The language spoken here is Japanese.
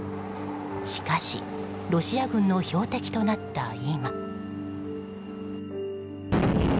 しかしロシア軍の標的となった今。